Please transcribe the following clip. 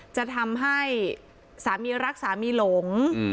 จะทำให้สามีรักสามีหลง